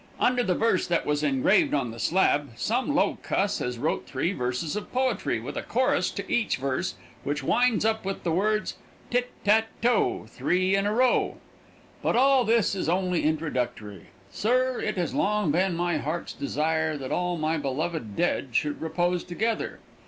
Under the verse that was engraved on the slab, some low cuss has wrote three verses of poetry with a chorus to each verse which winds up with the words: Tit, tat, toe, three in a row. But all this is only introductory. Sir, it has long been my heart's desire that all my beloved dead should repose together.